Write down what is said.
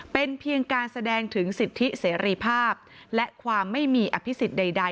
เป็นเพียงการแสดงถึงสิทธิเสรีภาพและความไม่มีอภิษฎใด